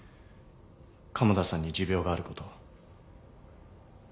鴨田さんに持病があることを。